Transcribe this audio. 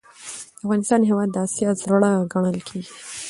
دافغانستان هیواد د اسیا زړه ګڼل کیږي.